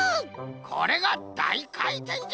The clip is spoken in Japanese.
これがだいかいてんじゃ！